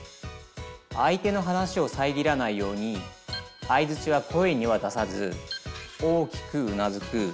相手の話をさえぎらないようにあいづちは声には出さず大きくうなずく。